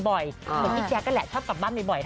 โดยมิเธกแหละขอบกลับบ้านบ่อย